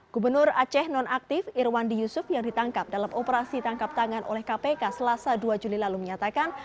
gubernur aceh nonaktif irwandi yusuf yang ditangkap dalam operasi tangkap tangan oleh kpk selasa dua juli lalu menyatakan